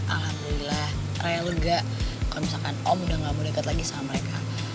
alhamdulillah raya lega kalau misalkan om udah gak mau dekat lagi sama mereka